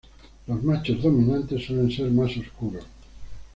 Los machos dominantes suelen ser más oscuros.